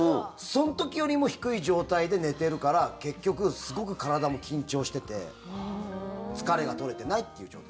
その時よりも低い状態で寝てるから結局、すごく体も緊張してて疲れが取れてないっていう状態。